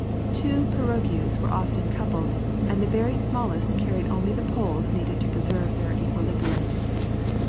Two pirogues were often coupled, and the very smallest carried only the poles needed to preserve their equilibrium.